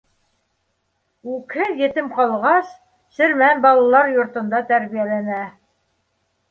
Үкһеҙ етем ҡалғас, Сермән балалар йортонда тәрбиәләнә.